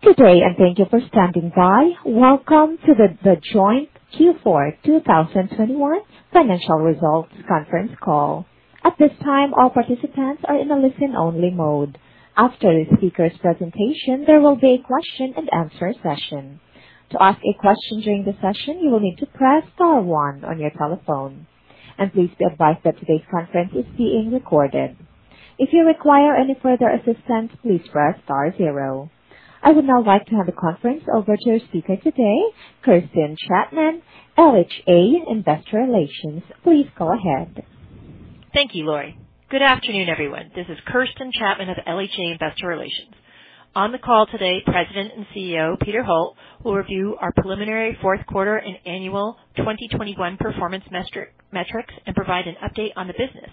Good day, and thank you for standing by. Welcome to The Joint Q4 2021 Financial Results conference call. At this time, all participants are in a listen-only mode. After the speaker's presentation, there will be a question-and-answer session. To ask a question during the session, you will need to press star one on your telephone. Please be advised that today's conference is being recorded. If you require any further assistance, please press star zero. I would now like to hand the conference over to our speaker today, Kirsten Chapman, LHA Investor Relations. Please go ahead. Thank you, Laurie. Good afternoon, everyone. This is Kirsten Chapman of LHA Investor Relations. On the call today, President and CEO Peter Holt will review our preliminary fourth quarter and annual 2021 performance metrics and provide an update on the business.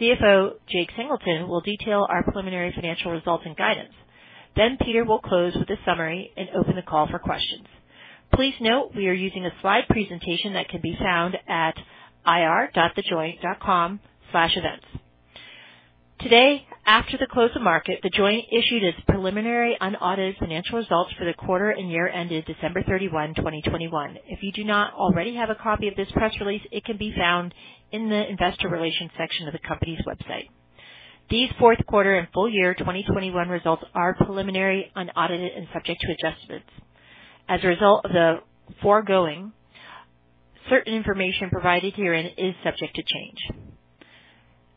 CFO Jake Singleton will detail our preliminary financial results and guidance. Peter will close with a summary and open the call for questions. Please note we are using a slide presentation that can be found at ir.thejoint.com/events. Today, after the close of market, The Joint issued its preliminary unaudited financial results for the quarter and year ended December 31, 2021. If you do not already have a copy of this press release, it can be found in the investor relations section of the company's website. These fourth quarter and full-year 2021 results are preliminary, unaudited and subject to adjustments. As a result of the foregoing, certain information provided herein is subject to change.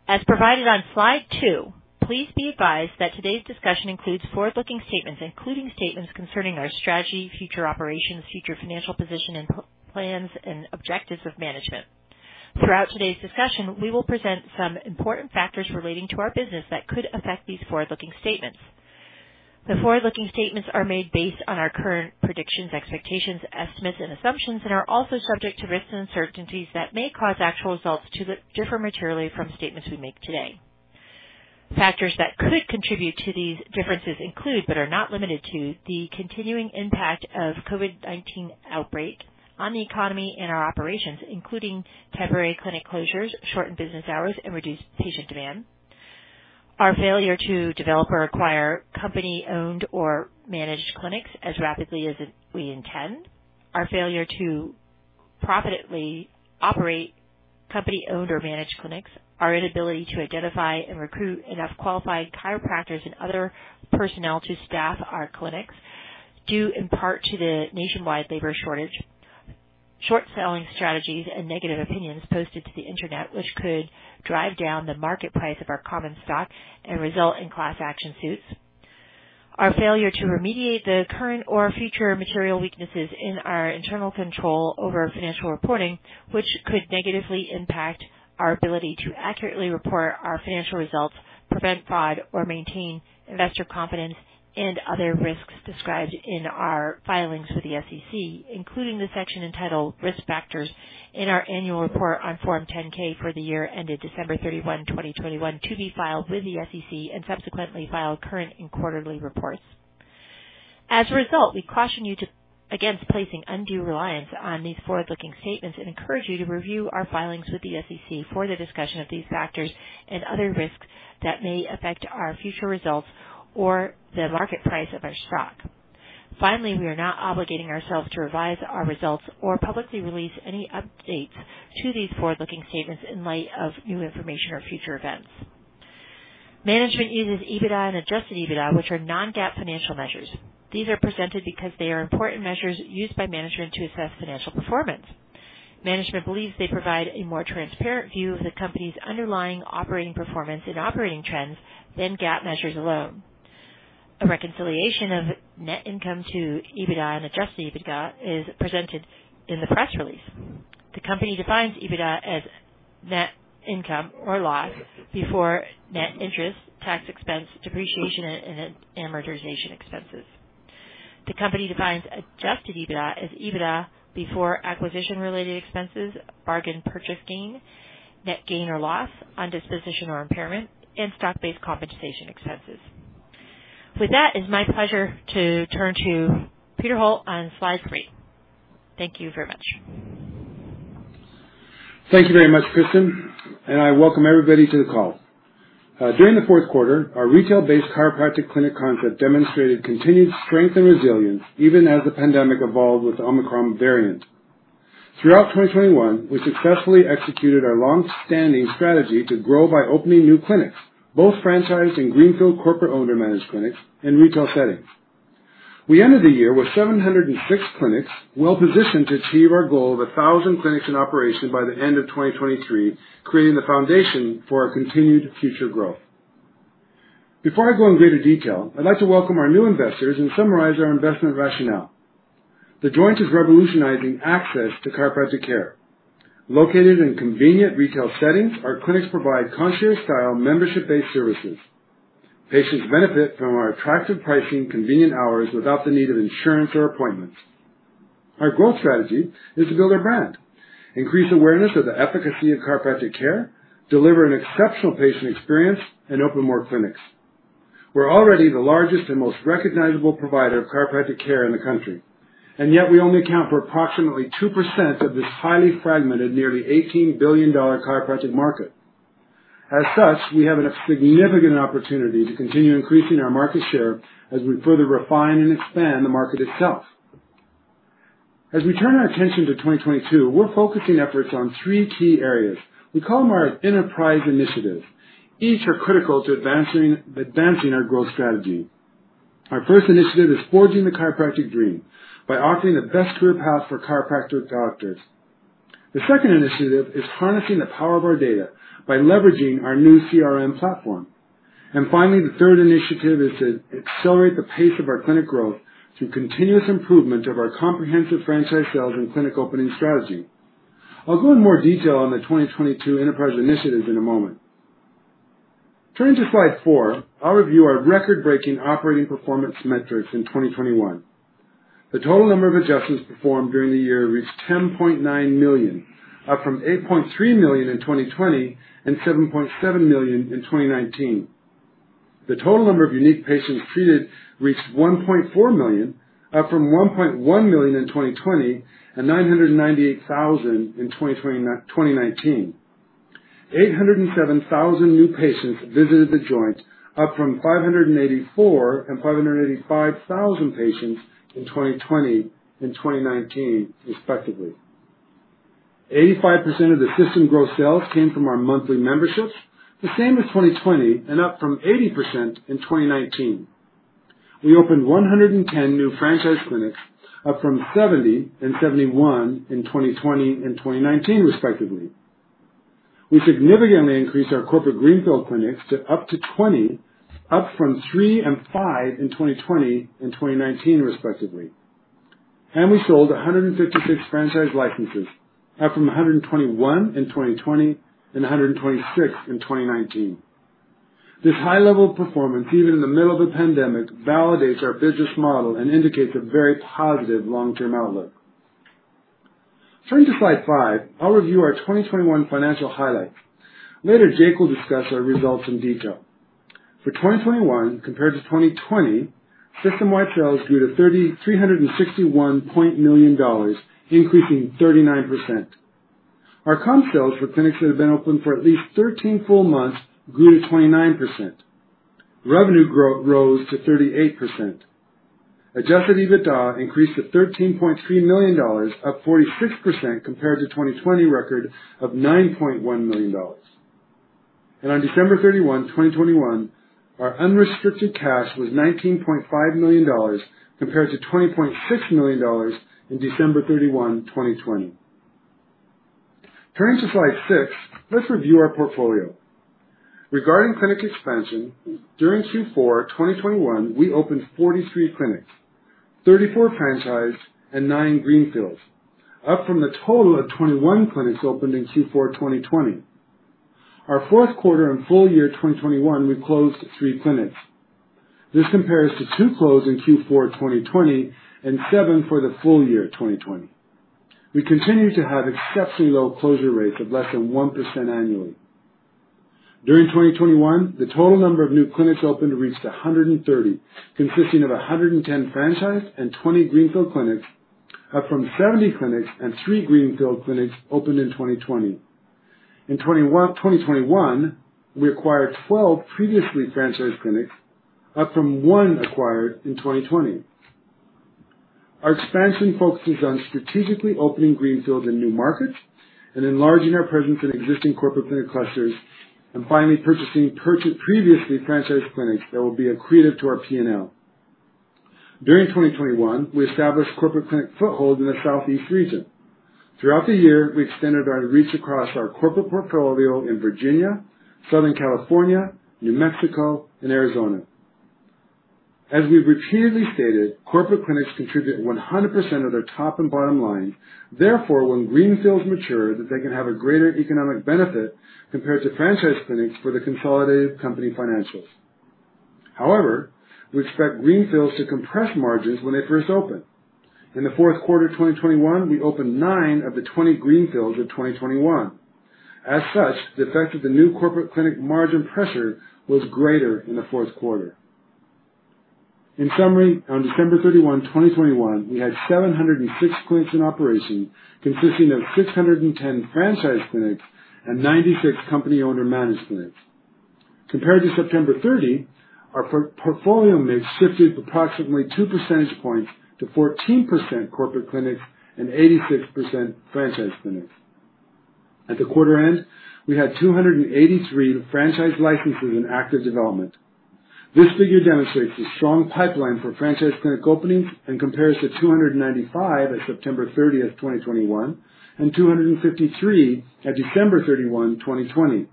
As provided on slide two, please be advised that today's discussion includes forward-looking statements, including statements concerning our strategy, future operations, future financial position and plans and objectives of management. Throughout today's discussion, we will present some important factors relating to our business that could affect these forward-looking statements. The forward-looking statements are made based on our current predictions, expectations, estimates, and assumptions and are also subject to risks and uncertainties that may cause actual results to differ materially from statements we make today. Factors that could contribute to these differences include, but are not limited to, the continuing impact of COVID-19 outbreak on the economy and our operations, including temporary clinic closures, shortened business hours, and reduced patient demand. Our failure to develop or acquire company-owned or managed clinics as rapidly as we intend. Our failure to profitably operate company-owned or managed clinics. Our inability to identify and recruit enough qualified chiropractors and other personnel to staff our clinics, due in part to the nationwide labor shortage. Short-selling strategies and negative opinions posted to the Internet, which could drive down the market price of our common stock and result in class action suits. Our failure to remediate the current or future material weaknesses in our internal control over financial reporting, which could negatively impact our ability to accurately report our financial results, prevent fraud, or maintain investor confidence, and other risks described in our filings with the SEC, including the section entitled Risk Factors in our annual report on Form 10-K for the year ended December 31, 2021 to be filed with the SEC and subsequently filed current and quarterly reports. As a result, we caution you against placing undue reliance on these forward-looking statements and encourage you to review our filings with the SEC for the discussion of these factors and other risks that may affect our future results or the market price of our stock. Finally, we are not obligating ourselves to revise our results or publicly release any updates to these forward-looking statements in light of new information or future events. Management uses EBITDA and adjusted EBITDA, which are non-GAAP financial measures. These are presented because they are important measures used by management to assess financial performance. Management believes they provide a more transparent view of the company's underlying operating performance and operating trends than GAAP measures alone. A reconciliation of net income to EBITDA and adjusted EBITDA is presented in the press release. The company defines EBITDA as net income or loss before net interest, tax expense, depreciation and amortization expenses. The company defines adjusted EBITDA as EBITDA before acquisition-related expenses, bargain purchase gain, net gain or loss on disposition or impairment, and stock-based compensation expenses. With that, it's my pleasure to turn to Peter Holt on slide three. Thank you very much. Thank you very much, Kirsten, and I welcome everybody to the call. During the fourth quarter, our retail-based chiropractic clinic concept demonstrated continued strength and resilience even as the pandemic evolved with the Omicron variant. Throughout 2021, we successfully executed our long-standing strategy to grow by opening new clinics, both franchise and greenfield corporate owner-managed clinics in retail settings. We ended the year with 706 clinics, well-positioned to achieve our goal of 1,000 clinics in operation by the end of 2023, creating the foundation for our continued future growth. Before I go in greater detail, I'd like to welcome our new investors and summarize our investment rationale. The Joint is revolutionizing access to chiropractic care. Located in convenient retail settings, our clinics provide concierge-style, membership-based services. Patients benefit from our attractive pricing, convenient hours without the need of insurance or appointments. Our growth strategy is to build our brand, increase awareness of the efficacy of chiropractic care, deliver an exceptional patient experience, and open more clinics. We're already the largest and most recognizable provider of chiropractic care in the country, and yet we only account for approximately 2% of this highly fragmented, nearly $18 billion chiropractic market. As such, we have a significant opportunity to continue increasing our market share as we further refine and expand the market itself. As we turn our attention to 2022, we're focusing efforts on three key areas. We call them our enterprise initiatives. Each are critical to advancing our growth strategy. Our first initiative is forging the chiropractic dream by offering the best career path for chiropractic doctors. The second initiative is harnessing the power of our data by leveraging our new CRM platform. Finally, the third initiative is to accelerate the pace of our clinic growth through continuous improvement of our comprehensive franchise sales and clinic opening strategy. I'll go in more detail on the 2022 enterprise initiatives in a moment. Turning to slide four, I'll review our record-breaking operating performance metrics in 2021. The total number of adjustments performed during the year reached 10.9 million, up from 8.3 million in 2020 and 7.7 million in 2019. The total number of unique patients treated reached 1.4 million, up from 1.1 million in 2020 and 998,000 in 2019. 807,000 new patients visited The Joint, up from 584,000 and 585,000 patients in 2020 and 2019 respectively. 85% of the system gross sales came from our monthly memberships, the same as 2020 and up from 80% in 2019. We opened 110 new franchise clinics, up from 70 and 71 in 2020 and 2019 respectively. We significantly increased our corporate greenfield clinics to up to 20, up from three and five in 2020 and 2019 respectively. We sold 156 franchise licenses, up from 121 in 2020 and 126 in 2019. This high level of performance, even in the middle of a pandemic, validates our business model and indicates a very positive long-term outlook. Turning to slide five, I'll review our 2021 financial highlights. Later, Jake will discuss our results in detail. For 2021 compared to 2020, system-wide sales grew to $361 million, increasing 39%. Our comp sales for clinics that have been open for at least 13 full months grew to 29%. Revenue rose to 38%. Adjusted EBITDA increased to $13.3 million, up 46% compared to 2020 record of $9.1 million. On December 31, 2021, our unrestricted cash was $19.5 million compared to $20.6 million in December 31, 2020. Turning to slide six, let's review our portfolio. Regarding clinic expansion, during Q4 2021, we opened 43 clinics, 34 franchised and nine greenfields, up from the total of 21 clinics opened in Q4 2020. In our fourth quarter and full-year 2021, we closed 3 clinics. This compares to two closed in Q4 2020 and 7 for the full-year 2020. We continue to have exceptionally low closure rates of less than 1% annually. During 2021, the total number of new clinics opened reached 130, consisting of 110 franchised and 20 greenfield clinics, up from 70 clinics and three greenfield clinics opened in 2020. In 2021, we acquired 12 previously franchised clinics up from 1 acquired in 2020. Our expansion focuses on strategically opening greenfields in new markets and enlarging our presence in existing corporate clinic clusters, and finally purchasing previously franchised clinics that will be accretive to our P&L. During 2021, we established corporate clinic foothold in the Southeast region. Throughout the year, we extended our reach across our corporate portfolio in Virginia, Southern California, New Mexico, and Arizona. As we've repeatedly stated, corporate clinics contribute 100% of their top and bottom line. Therefore, when greenfields mature, that they can have a greater economic benefit compared to franchise clinics for the consolidated company financials. However, we expect greenfields to compress margins when they first open. In the fourth quarter 2021, we opened nine of the 20 greenfields in 2021. As such, the effect of the new corporate clinic margin pressure was greater in the fourth quarter. In summary, on December 31, 2021, we had 706 clinics in operation consisting of 610 franchised clinics and 96 company-owned or managed clinics. Compared to September 30, our portfolio mix shifted approximately two percentage points to 14% corporate clinics and 86% franchised clinics. At the quarter end, we had 283 franchise licenses in active development. This figure demonstrates a strong pipeline for franchised clinic openings and compares to 295 at September 30, 2021, and 253 at December 31, 2020.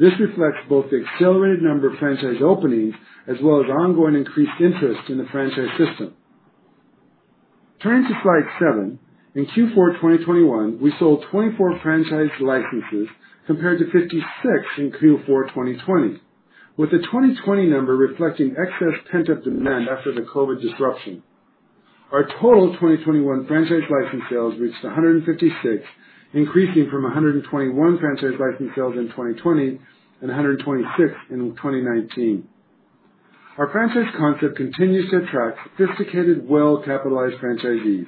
This reflects both the accelerated number of franchise openings as well as ongoing increased interest in the franchise system. Turning to slide seven. In Q4 2021, we sold 24 franchise licenses compared to 56 in Q4 2020, with the 2020 number reflecting excess pent-up demand after the COVID disruption. Our total 2021 franchise license sales reached 156, increasing from 121 franchise license sales in 2020 and 126 in 2019. Our franchise concept continues to attract sophisticated, well-capitalized franchisees,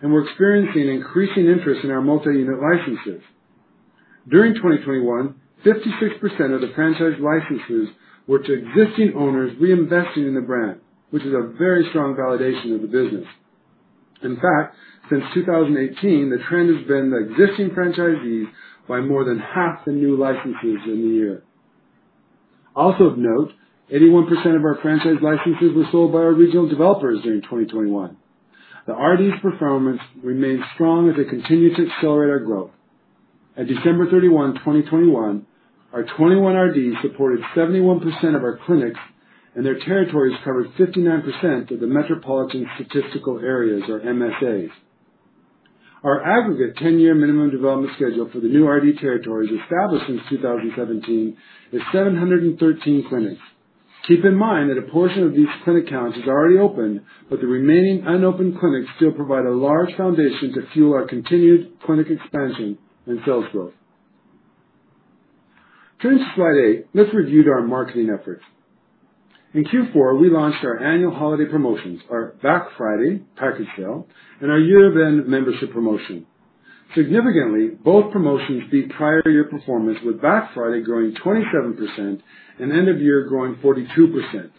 and we're experiencing increasing interest in our multi-unit licenses. During 2021, 56% of the franchise licenses were to existing owners reinvesting in the brand, which is a very strong validation of the business. In fact, since 2018, the trend has been the existing franchisees buy more than half the new licenses in the year. Also of note, 81% of our franchise licenses were sold by our regional developers during 2021. The RDs' performance remains strong as they continue to accelerate our growth. At December 31, 2021, our 21 RDs supported 71% of our clinics, and their territories covered 59% of the metropolitan statistical areas or MSAs. Our aggregate 10-year minimum development schedule for the new RD territories established since 2017 is 713 clinics. Keep in mind that a portion of these clinic counts is already open, but the remaining unopened clinics still provide a large foundation to fuel our continued clinic expansion and sales growth. Turning to slide eight, let's review our marketing efforts. In Q4, we launched our annual holiday promotions, our Black Friday package sale, and our year-end membership promotion. Significantly, both promotions beat prior year performance, with Black Friday growing 27% and end of year growing 42%.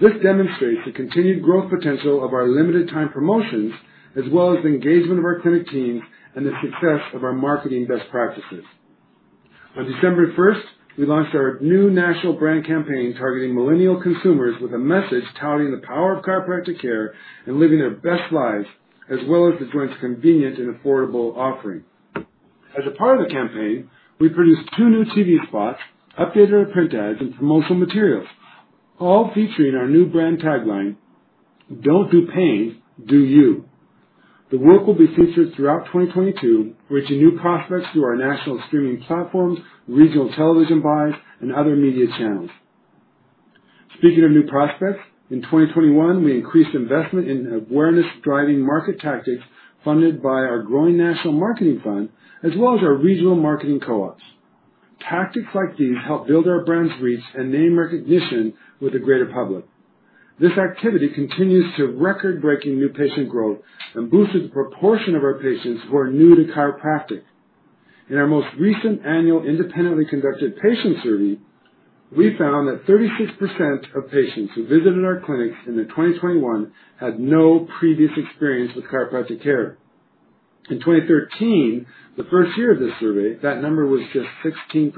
This demonstrates the continued growth potential of our limited time promotions, as well as the engagement of our clinic teams and the success of our marketing best practices. On December first, we launched our new national brand campaign targeting Millennial consumers with a message touting the power of chiropractic care and living their best lives, as well as The Joint's convenient and affordable offering. As a part of the campaign, we produced two new TV spots, updated our print ads and promotional materials, all featuring our new brand tagline, "Don't Do Pain. Do You." The work will be featured throughout 2022, reaching new prospects through our national streaming platforms, regional television buys, and other media channels. Speaking of new prospects, in 2021, we increased investment in awareness-driving market tactics funded by our growing national marketing fund as well as our regional marketing co-ops. Tactics like these help build our brand's reach and name recognition with the greater public. This activity continues to record-breaking new patient growth and boosted the proportion of our patients who are new to chiropractic. In our most recent annual independently conducted patient survey, we found that 36% of patients who visited our clinics in the 2021 had no previous experience with chiropractic care. In 2013, the first year of this survey, that number was just 16%.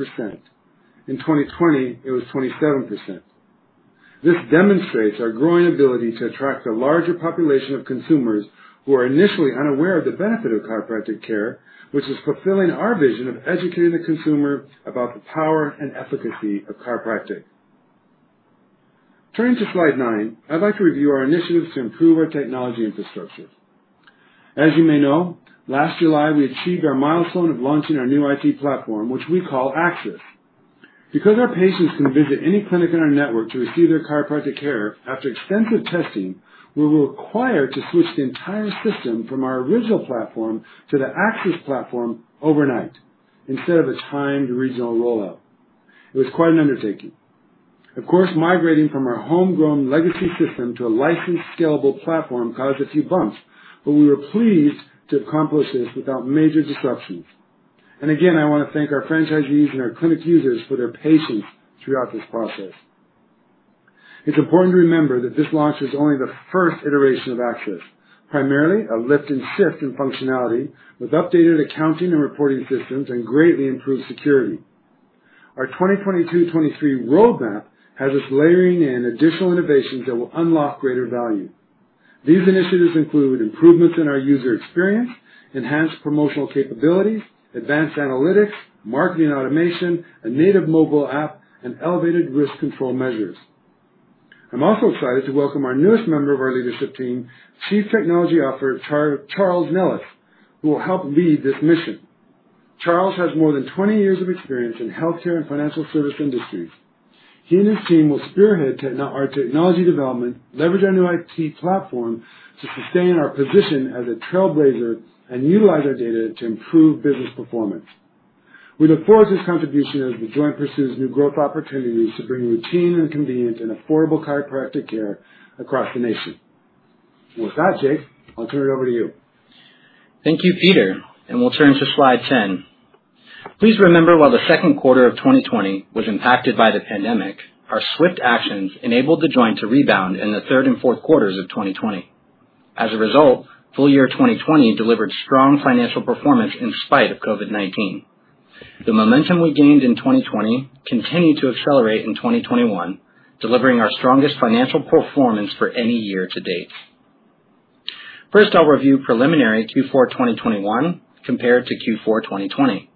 In 2020, it was 27%. This demonstrates our growing ability to attract a larger population of consumers who are initially unaware of the benefit of chiropractic care, which is fulfilling our vision of educating the consumer about the power and efficacy of chiropractic. Turning to slide nine, I'd like to review our initiatives to improve our technology infrastructure. As you may know, last July, we achieved our milestone of launching our new IT platform, which we call AXIS. Because our patients can visit any clinic in our network to receive their chiropractic care, after extensive testing, we were required to switch the entire system from our original platform to the AXIS platform overnight instead of a timed regional rollout. It was quite an undertaking. Of course, migrating from our homegrown legacy system to a licensed, scalable platform caused a few bumps, but we were pleased to accomplish this without major disruptions. Again, I wanna thank our franchisees and our clinic users for their patience throughout this process. It's important to remember that this launch is only the first iteration of AXIS, primarily a lift and shift in functionality with updated accounting and reporting systems and greatly improved security. Our 2022/2023 roadmap has us layering in additional innovations that will unlock greater value. These initiatives include improvements in our user experience, enhanced promotional capabilities, advanced analytics, marketing automation, a native mobile app, and elevated risk control measures. I'm also excited to welcome our newest member of our leadership team, Chief Technology Officer Charles Nelles, who will help lead this mission. Charles has more than 20 years of experience in healthcare and financial service industries. He and his team will spearhead our technology development, leverage our new IT platform to sustain our position as a trailblazer, and utilize our data to improve business performance. We look forward to his contribution as The Joint pursues new growth opportunities to bring routine and convenience and affordable chiropractic care across the nation. With that, Jake, I'll turn it over to you. Thank you, Peter, and we'll turn to slide 10. Please remember, while the second quarter of 2020 was impacted by the pandemic, our swift actions enabled The Joint to rebound in the third and fourth quarters of 2020. As a result, full-year 2020 delivered strong financial performance in spite of COVID-19. The momentum we gained in 2020 continued to accelerate in 2021, delivering our strongest financial performance for any year to date. First, I'll review preliminary Q4 2021 compared to Q4 2020.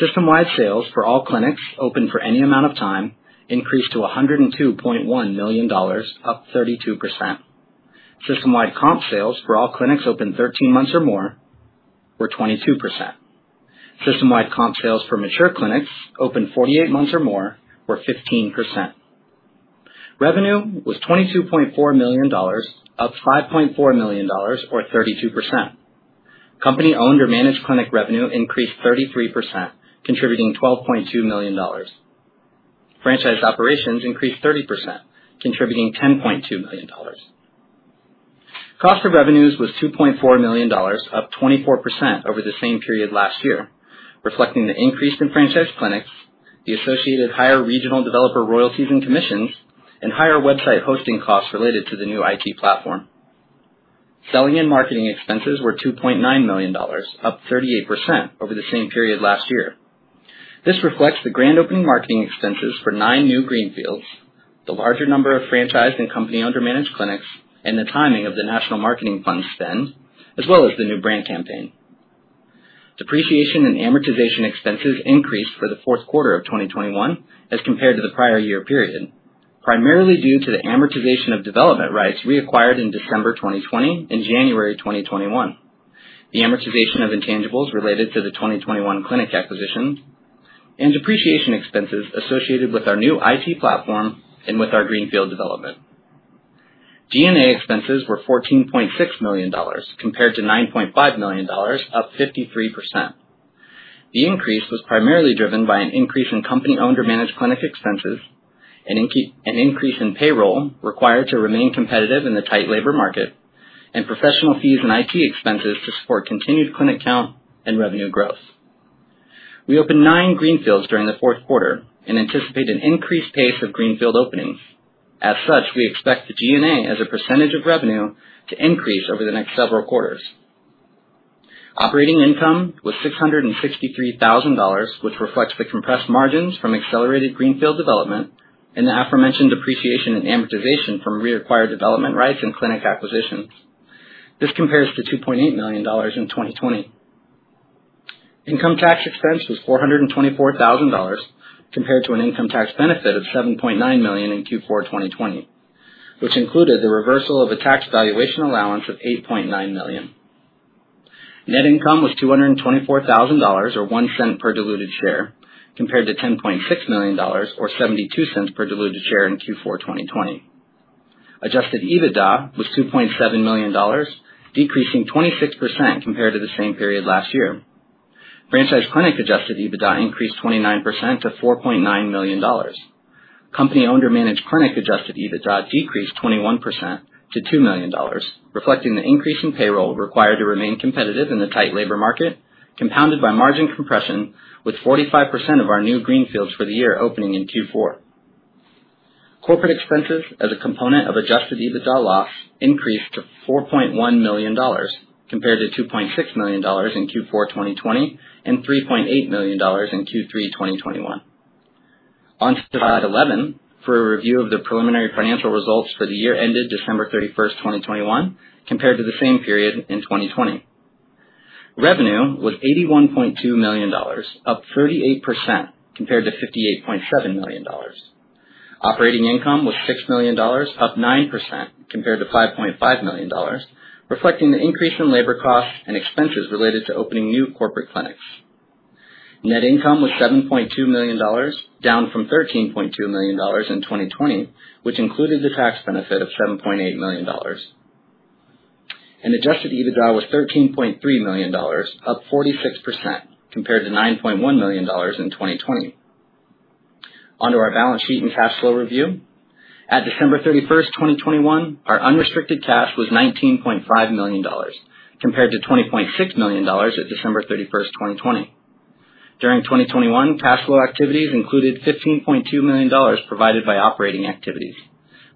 System-wide sales for all clinics open for any amount of time increased to $102.1 million, up 32%. System-wide comp sales for all clinics open 13 months or more were 22%. System-wide comp sales for mature clinics open 48 months or more were 15%. Revenue was $22.4 million, up $5.4 million or 32%. Company-owned or managed clinic revenue increased 33%, contributing $12.2 million. Franchise operations increased 30%, contributing $10.2 million. Cost of revenues was $2.4 million, up 24% over the same period last year, reflecting the increase in franchise clinics, the associated higher regional developer royalties and commissions, and higher website hosting costs related to the new IT platform. Selling and marketing expenses were $2.9 million, up 38% over the same period last year. This reflects the grand opening marketing expenses for nine new greenfields, the larger number of franchise and company-owned or managed clinics, and the timing of the national marketing fund spend, as well as the new brand campaign. Depreciation and amortization expenses increased for the fourth quarter of 2021 as compared to the prior year period, primarily due to the amortization of development rights reacquired in December 2020 and January 2021, the amortization of intangibles related to the 2021 clinic acquisition, and depreciation expenses associated with our new IT platform and with our greenfield development. G&A expenses were $14.6 million compared to $9.5 million, up 53%. The increase was primarily driven by an increase in company-owned or managed clinic expenses and an increase in payroll required to remain competitive in the tight labor market and professional fees and IT expenses to support continued clinic count and revenue growth. We opened nine greenfields during the fourth quarter and anticipate an increased pace of greenfield openings. As such, we expect the G&A as a percentage of revenue to increase over the next several quarters. Operating income was $663,000, which reflects the compressed margins from accelerated greenfield development and the aforementioned depreciation and amortization from reacquired development rights and clinic acquisitions. This compares to $2.8 million in 2020. Income tax expense was $424,000 compared to an income tax benefit of $7.9 million in Q4 2020, which included the reversal of a tax valuation allowance of $8.9 million. Net income was $224,000, or $0.01 per diluted share, compared to $10.6 million, or $0.72 per diluted share in Q4 2020. Adjusted EBITDA was $2.7 million, decreasing 26% compared to the same period last year. Franchise clinic adjusted EBITDA increased 29% to $4.9 million. Company-owned or managed clinic adjusted EBITDA decreased 21% to $2 million, reflecting the increase in payroll required to remain competitive in the tight labor market, compounded by margin compression with 45% of our new greenfields for the year opening in Q4. Corporate expenses as a component of adjusted EBITDA loss increased to $4.1 million compared to $2.6 million in Q4 2020 and $3.8 million in Q3 2021. On to slide 11 for a review of the preliminary financial results for the year ended December 31, 2021, compared to the same period in 2020. Revenue was $81.2 million, up 38% compared to $58.7 million. Operating income was $6 million, up 9% compared to $5.5 million, reflecting the increase in labor costs and expenses related to opening new corporate clinics. Net income was $7.2 million, down from $13.2 million in 2020, which included the tax benefit of $7.8 million. Adjusted EBITDA was $13.3 million, up 46% compared to $9.1 million in 2020. On to our balance sheet and cash flow review. At December 31, 2021, our unrestricted cash was $19.5 million compared to $20.6 million at December 31, 2020. During 2021, cash flow activities included $15.2 million provided by operating activities,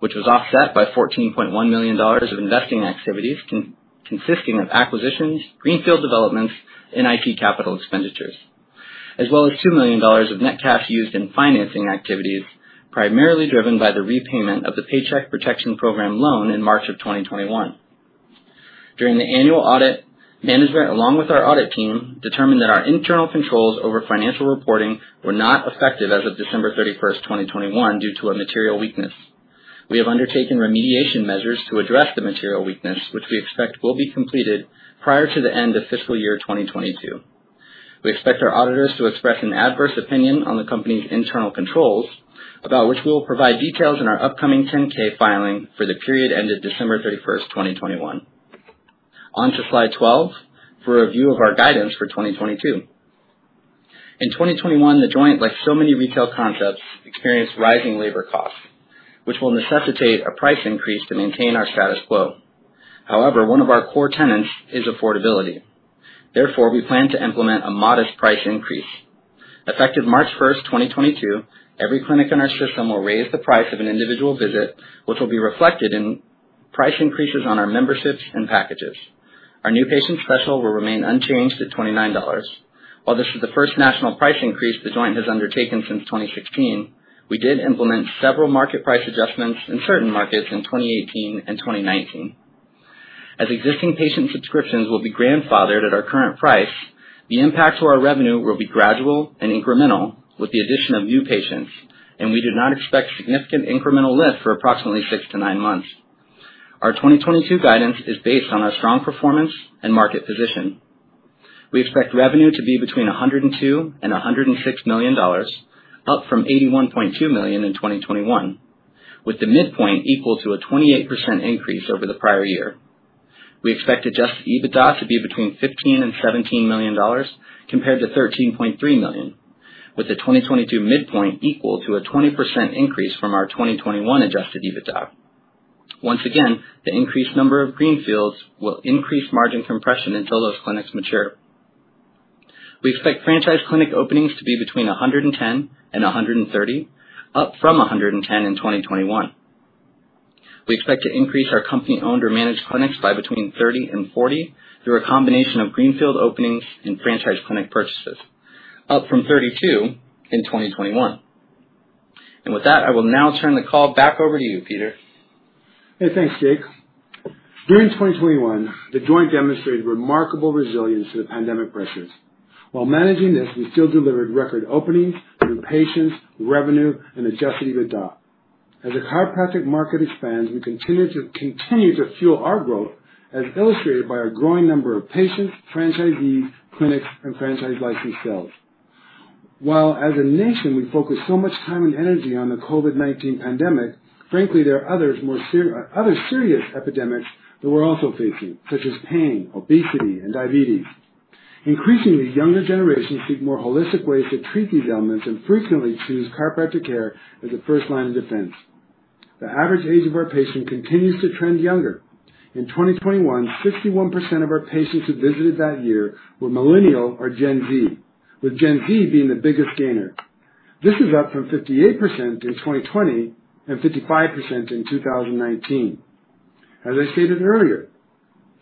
which was offset by $14.1 million of investing activities consisting of acquisitions, greenfield developments, and IT capital expenditures, as well as $2 million of net cash used in financing activities, primarily driven by the repayment of the Paycheck Protection Program loan in March of 2021. During the annual audit, management, along with our audit team, determined that our internal controls over financial reporting were not effective as of December 31, 2021, due to a material weakness. We have undertaken remediation measures to address the material weakness, which we expect will be completed prior to the end of fiscal year 2022. We expect our auditors to express an adverse opinion on the company's internal controls, about which we will provide details in our upcoming 10-K filing for the period ended December 31, 2021. On to slide 12 for a review of our guidance for 2022. In 2021, The Joint, like so many retail concepts, experienced rising labor costs, which will necessitate a price increase to maintain our status quo. However, one of our core tenets is affordability. Therefore, we plan to implement a modest price increase. Effective March 1, 2022, every clinic in our system will raise the price of an individual visit, which will be reflected in price increases on our memberships and packages. Our new patient special will remain unchanged at $29. While this is the first national price increase The Joint has undertaken since 2016, we did implement several market price adjustments in certain markets in 2018 and 2019. As existing patient subscriptions will be grandfathered at our current price, the impact to our revenue will be gradual and incremental with the addition of new patients, and we do not expect significant incremental lift for approximately six to nine months. Our 2022 guidance is based on our strong performance and market position. We expect revenue to be between $102 million and $106 million, up from $81.2 million in 2021. With the midpoint equal to a 28% increase over the prior year. We expect adjusted EBITDA to be between $15 million-$17 million compared to $13.3 million, with the 2022 midpoint equal to a 20% increase from our 2021 adjusted EBITDA. Once again, the increased number of greenfields will increase margin compression until those clinics mature. We expect franchise clinic openings to be between 110 and 130, up from 110 in 2021. We expect to increase our company-owned or managed clinics by between 30 and 40 through a combination of greenfield openings and franchise clinic purchases, up from 32 in 2021. With that, I will now turn the call back over to you, Peter. Hey, thanks, Jake. During 2021, The Joint demonstrated remarkable resilience to the pandemic pressures. While managing this, we still delivered record openings, new patients, revenue, and adjusted EBITDA. As the chiropractic market expands, we continue to fuel our growth, as illustrated by our growing number of patients, franchisees, clinics and franchise license sales. While as a nation, we focus so much time and energy on the COVID-19 pandemic, frankly, there are other serious epidemics that we're also facing, such as pain, obesity and diabetes. Increasingly, younger generations seek more holistic ways to treat these ailments and frequently choose chiropractic care as a first line of defense. The average age of our patient continues to trend younger. In 2021, 61% of our patients who visited that year were Millennial or Gen Z, with Gen Z being the biggest gainer. This is up from 58% in 2020 and 55% in 2019. As I stated earlier,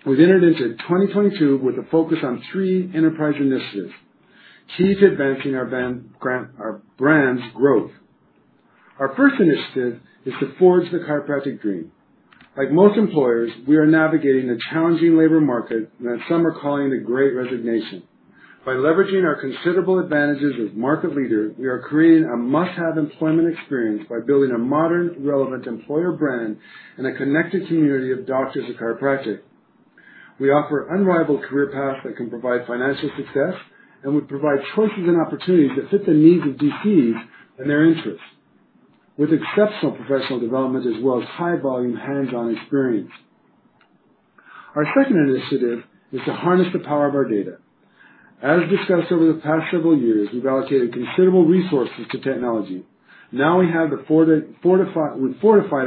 we've entered into 2022 with a focus on three enterprise initiatives key to advancing our brand's growth. Our first initiative is to forge the chiropractic dream. Like most employers, we are navigating a challenging labor market that some are calling the Great Resignation. By leveraging our considerable advantages as market leader, we are creating a must-have employment experience by building a modern, relevant employer brand and a connected community of doctors of chiropractic. We offer unrivaled career paths that can provide financial success, and we provide choices and opportunities that fit the needs of DCs and their interests, with exceptional professional development as well as high volume hands-on experience. Our second initiative is to harness the power of our data. As discussed over the past several years, we've allocated considerable resources to technology. Now we've fortified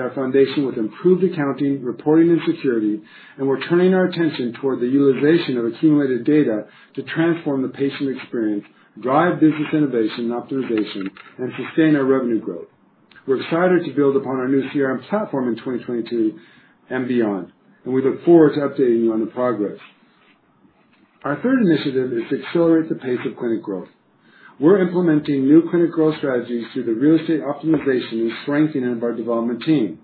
our foundation with improved accounting, reporting and security, and we're turning our attention toward the utilization of accumulated data to transform the patient experience, drive business innovation and optimization, and sustain our revenue growth. We're excited to build upon our new CRM platform in 2022 and beyond, and we look forward to updating you on the progress. Our third initiative is to accelerate the pace of clinic growth. We're implementing new clinic growth strategies through the real estate optimization and strengthening of our development team.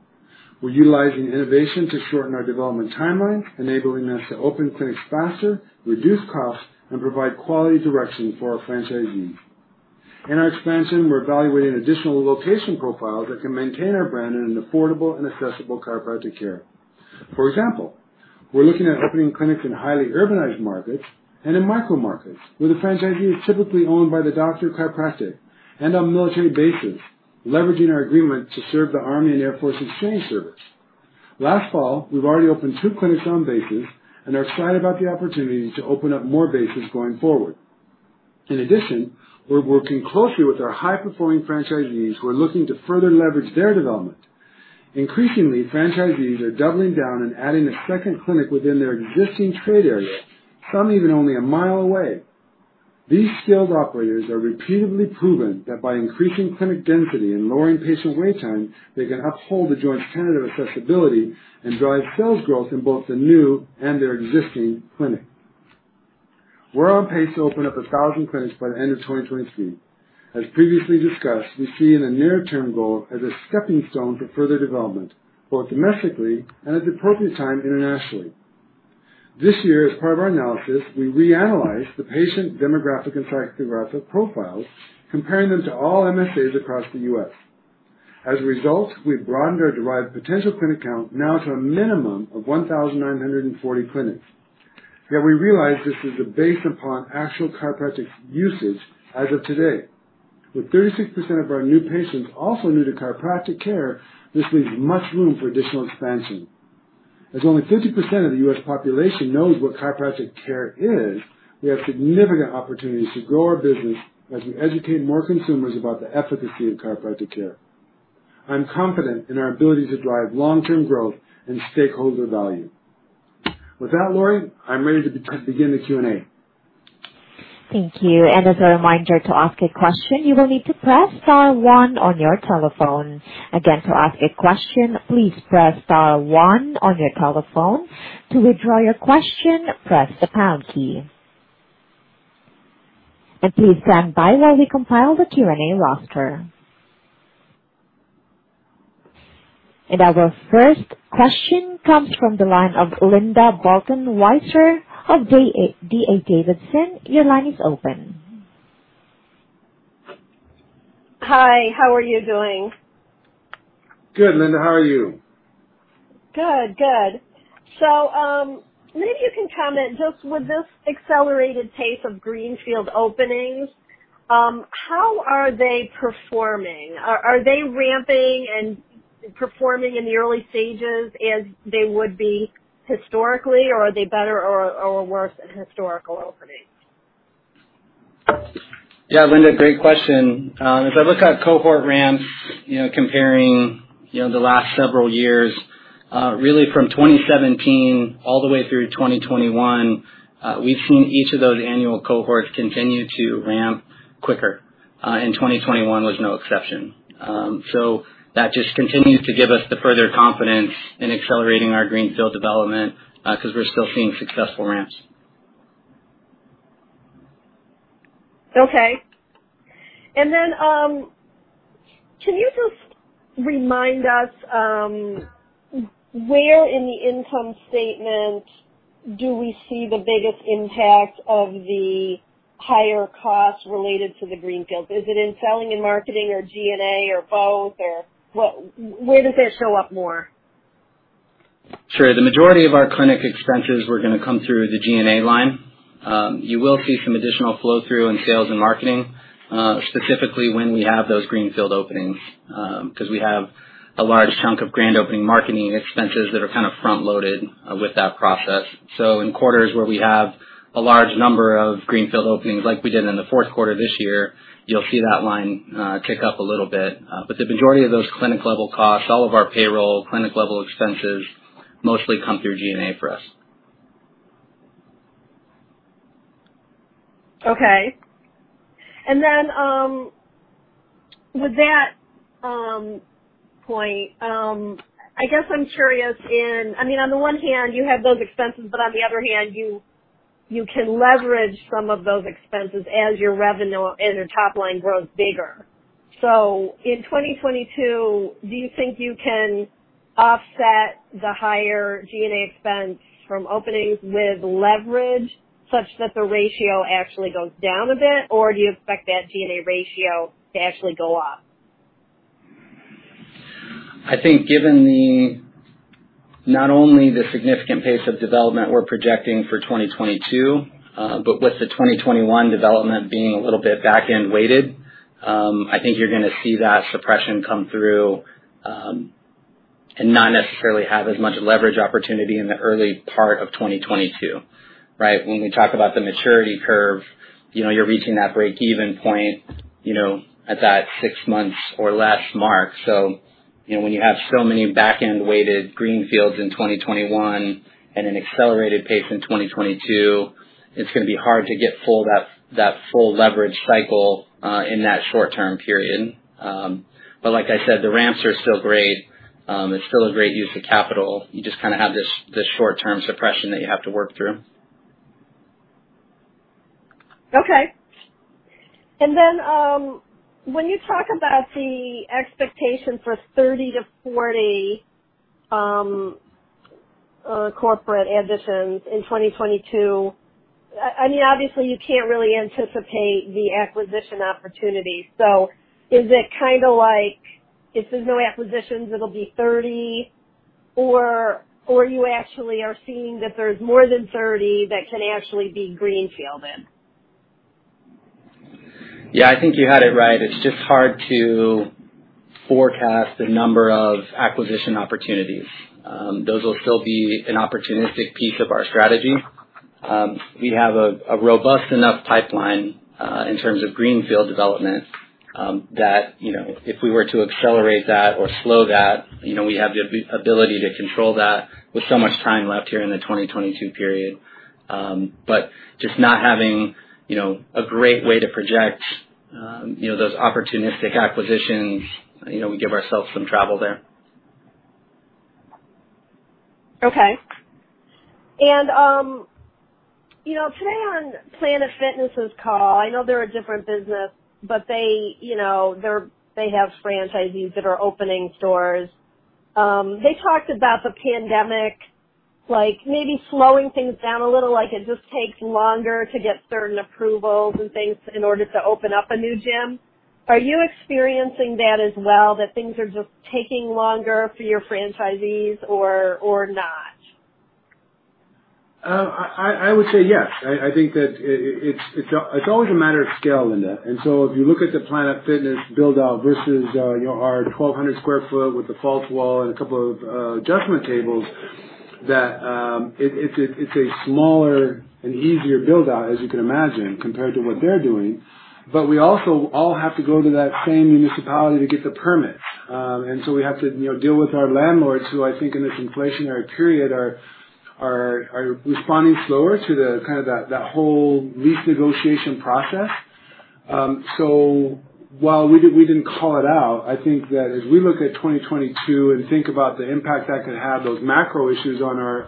We're utilizing innovation to shorten our development timeline, enabling us to open clinics faster, reduce costs, and provide quality direction for our franchisees. In our expansion, we're evaluating additional location profiles that can maintain our brand in an affordable and accessible chiropractic care. For example, we're looking at opening clinics in highly urbanized markets and in micro markets, where the franchisee is typically owned by the doctor of chiropractic and on military bases, leveraging our agreement to serve the Army & Air Force Exchange Service. Last fall, we've already opened two clinics on bases and are excited about the opportunity to open up more bases going forward. In addition, we're working closely with our high-performing franchisees who are looking to further leverage their development. Increasingly, franchisees are doubling down and adding a second clinic within their existing trade area, some even only a mile away. These skilled operators are repeatedly proven that by increasing clinic density and lowering patient wait time, they can uphold The Joint's tenet of accessibility and drive sales growth in both the new and their existing clinic. We're on pace to open up 1,000 clinics by the end of 2023. As previously discussed, we see it a near-term goal as a stepping stone for further development, both domestically and at the appropriate time, internationally. This year, as part of our analysis, we reanalyzed the patient demographic and psychographic profiles, comparing them to all MSAs across the U.S. As a result, we've broadened our derived potential clinic count now to a minimum of 1,940 clinics, yet we realize this is based upon actual chiropractic usage as of today. With 36% of our new patients also new to chiropractic care, this leaves much room for additional expansion. As only 50% of the U.S. population knows what chiropractic care is, we have significant opportunities to grow our business as we educate more consumers about the efficacy of chiropractic care. I'm confident in our ability to drive long-term growth and stakeholder value. With that, Lori, I'm ready to begin the Q&A. Thank you. As a reminder, to ask a question, you will need to press star one on your telephone. Again, to ask a question, please press star one on your telephone. To withdraw your question, press the pound key. Please stand by while we compile the Q&A roster. Our first question comes from the line of Linda Bolton Weiser of D.A. Davidson. Your line is open. Hi, how are you doing? Good, Linda. How are you? Good, good. Maybe you can comment just with this accelerated pace of greenfield openings, how are they performing? Are they ramping and performing in the early stages as they would be historically, or are they better or worse than historical openings? Yeah, Linda, great question. As I look at cohort ramp, you know, comparing, you know, the last several years, really from 2017 all the way through 2021, we've seen each of those annual cohorts continue to ramp quicker. 2021 was no exception. That just continues to give us the further confidence in accelerating our greenfield development, because we're still seeing successful ramps. Okay. Can you just remind us where in the income statement do we see the biggest impact of the higher costs related to the greenfields? Is it in selling and marketing or G&A or both or what, where does that show up more? Sure. The majority of our clinic expenses were gonna come through the G&A line. You will see some additional flow-through in sales and marketing, specifically when we have those greenfield openings, because we have a large chunk of grand opening marketing expenses that are kind of front loaded with that process. In quarters where we have a large number of greenfield openings, like we did in the fourth quarter this year, you'll see that line tick up a little bit. The majority of those clinic level costs, all of our payroll, clinic level expenses mostly come through G&A for us. Okay. With that point, I guess I'm curious. I mean, on the one hand you have those expenses, but on the other hand, you can leverage some of those expenses as your revenue and your top line grows bigger. In 2022, do you think you can offset the higher G&A expense from openings with leverage such that the ratio actually goes down a bit? Or do you expect that G&A ratio to actually go up? I think given the not only the significant pace of development we're projecting for 2022, but with the 2021 development being a little bit back-end weighted, I think you're gonna see that suppression come through, and not necessarily have as much leverage opportunity in the early part of 2022, right? When we talk about the maturity curve, you know, you're reaching that breakeven point, you know, at that six months or less mark. You know, when you have so many back-end weighted greenfields in 2021 and an accelerated pace in 2022, it's gonna be hard to get that full leverage cycle in that short-term period. But like I said, the ramps are still great. It's still a great use of capital. You just kinda have this short term suppression that you have to work through. Okay. When you talk about the expectation for 30-40 corporate additions in 2022, I mean, obviously you can't really anticipate the acquisition opportunities. Is it kinda like if there's no acquisitions, it'll be 30? Or you actually are seeing that there's more than 30 that can actually be greenfielded? Yeah, I think you had it right. It's just hard to forecast the number of acquisition opportunities. Those will still be an opportunistic piece of our strategy. We have a robust enough pipeline in terms of greenfield development that, you know, if we were to accelerate that or slow that, you know, we have the ability to control that with so much time left here in the 2022 period, just not having, you know, a great way to project those opportunistic acquisitions, you know, we give ourselves some travel there. Okay. You know, today on Planet Fitness's call, I know they're a different business, but they, you know, they have franchisees that are opening stores. They talked about the pandemic, like maybe slowing things down a little, like it just takes longer to get certain approvals and things in order to open up a new gym. Are you experiencing that as well, that things are just taking longer for your franchisees or not? I would say yes. I think that it's always a matter of scale, Linda. If you look at the Planet Fitness build-out versus our 1,200 sq ft with a false wall and a couple of adjustment tables, it's a smaller and easier build-out, as you can imagine, compared to what they're doing. But we also all have to go to that same municipality to get the permits. We have to, you know, deal with our landlords who I think in this inflationary period are responding slower to that whole lease negotiation process. While we didn't call it out, I think that as we look at 2022 and think about the impact that could have, those macro issues on our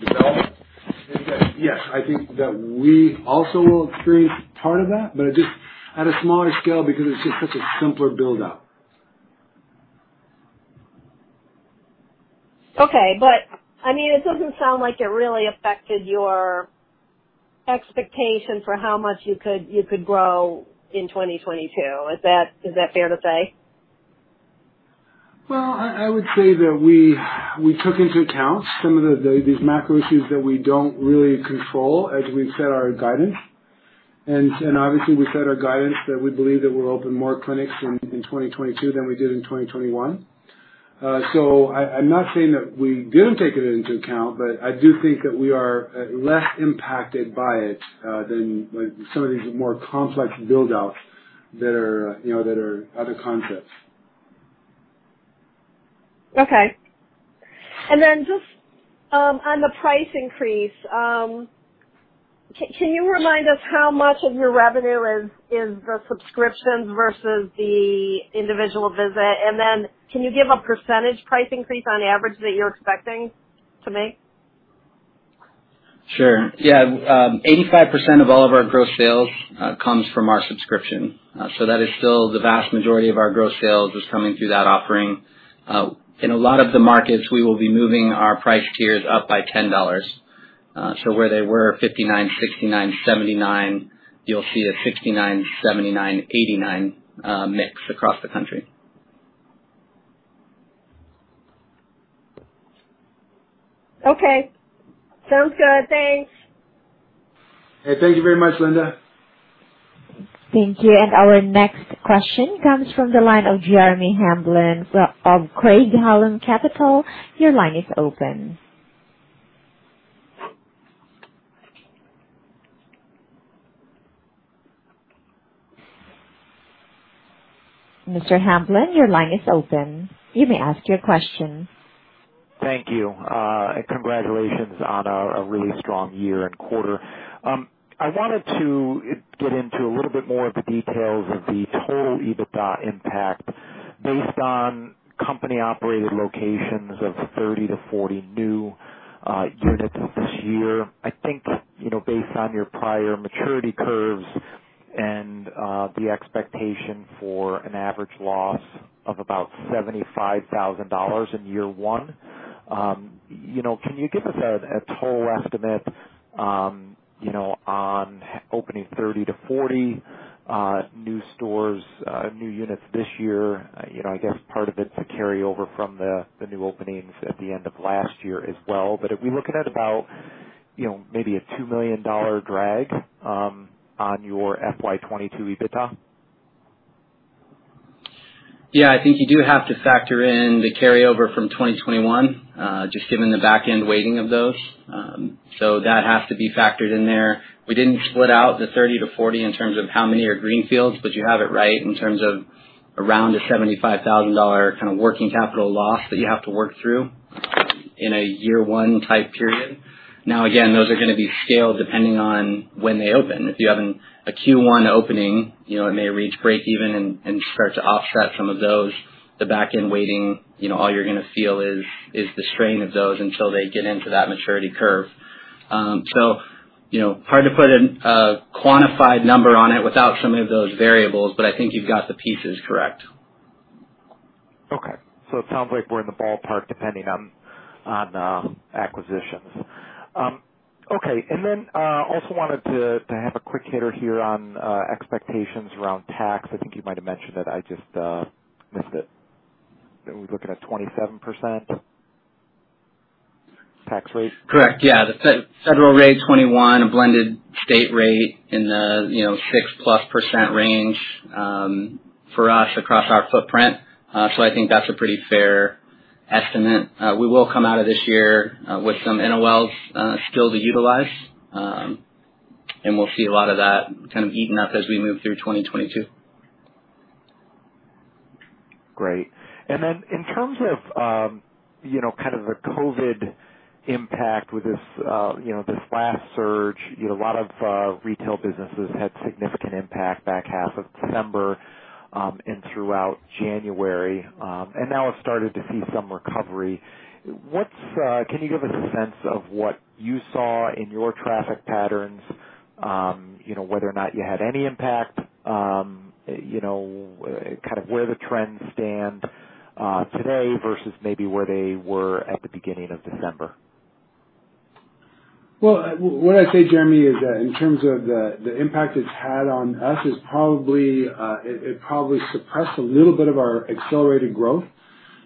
development, I think that, yes, I think that we also will experience part of that, but just at a smaller scale because it's just such a simpler build-out. Okay. I mean, it doesn't sound like it really affected your expectation for how much you could grow in 2022. Is that fair to say? Well, I would say that we took into account some of the these macro issues that we don't really control as we've set our guidance. Obviously we set our guidance that we believe that we'll open more clinics in 2022 than we did in 2021. So I'm not saying that we didn't take it into account, but I do think that we are less impacted by it than like some of these more complex build-outs that are, you know, that are other concepts. Okay. Just on the price increase, can you remind us how much of your revenue is the subscriptions versus the individual visit? Can you give a percentage price increase on average that you're expecting to make? Sure. Yeah. 85% of all of our gross sales comes from our subscription. That is still the vast majority of our gross sales is coming through that offering. In a lot of the markets, we will be moving our price tiers up by $10. Where they were $59, $69, $79, you'll see a $69, $79, $89 mix across the country. Okay. Sounds good. Thanks. Hey, thank you very much, Linda. Thank you. Our next question comes from the line of Jeremy Hamblin of Craig-Hallum Capital. Your line is open. Mr. Hamblin, your line is open. You may ask your question. Thank you. And congratulations on a really strong year and quarter. I wanted to get into a little bit more of the details of the total EBITDA impact based on company-operated locations of 30-40 new units this year. I think, you know, based on your prior maturity curves and the expectation for an average loss of about $75,000 in year one, you know, can you give us a total estimate, you know, on opening 30-40 new stores, new units this year? You know, I guess part of it's a carryover from the new openings at the end of last year as well. Are we looking at about, you know, maybe a $2 million drag on your FY 2022 EBITDA? Yeah, I think you do have to factor in the carryover from 2021, just given the back end weighting of those. So that has to be factored in there. We didn't split out the 30-40 in terms of how many are greenfields, but you have it right in terms of around a $75,000 kind of working capital loss that you have to work through in a year one type period. Now, again, those are gonna be scaled depending on when they open. If you have a Q1 opening, you know, it may reach break even and start to offset some of those. The back end weighting, you know, all you're gonna feel is the strain of those until they get into that maturity curve. You know, hard to put a quantified number on it without some of those variables, but I think you've got the pieces correct. Okay. It sounds like we're in the ballpark, depending on acquisitions. Okay. Then also wanted to have a quick hitter here on expectations around tax. I think you might have mentioned it. I just missed it. Are we looking at 27% tax rate? Correct. Yeah. The federal rate 21, a blended state rate in the, you know, 6%+ range, for us across our footprint. So I think that's a pretty fair estimate. We will come out of this year, with some NOLs, still to utilize. We'll see a lot of that kind of eaten up as we move through 2022. Great. Then in terms of, you know, kind of the COVID impact with this, you know, this last surge, you know, a lot of retail businesses had significant impact back half of December and throughout January and now have started to see some recovery. Can you give us a sense of what you saw in your traffic patterns, you know, whether or not you had any impact, you know, kind of where the trends stand today versus maybe where they were at the beginning of December? Well, what I'd say, Jeremy, is that in terms of the impact it's had on us, it probably suppressed a little bit of our accelerated growth.